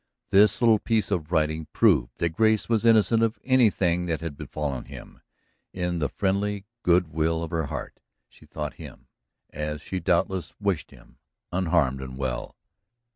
This little piece of writing proved that Grace was innocent of anything that had befallen him. In the friendly good will of her heart she thought him, as she doubtless wished him, unharmed and well.